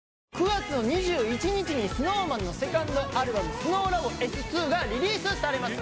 ９月２１日にＳｎｏｗＭａｎのセカンドアルバム「ＳｎｏｗＬａｂｏ．Ｓ２」がリリースされます